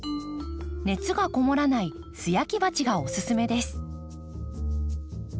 熱がこもらない素焼き鉢がおすすめです。